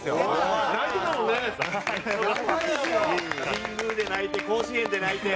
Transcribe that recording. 神宮で泣いて甲子園で泣いて。